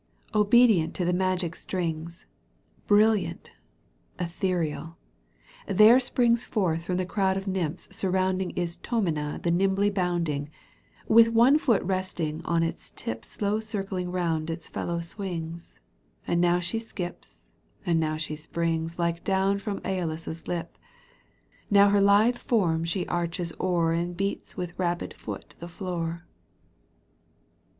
Obedient to the magic strings, Brilliant, ethereal, there springs Forth from the crowd of nymphs surrounding Istdmina* the nimbly bounding ; With one foot resting on its tip Slow circling round its fellow swings And now she skips and now she springs Like down from Aeolus's lip, Now her lithe form she arches o'er And beats with rapid foot the floor.